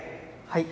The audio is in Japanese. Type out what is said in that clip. はい。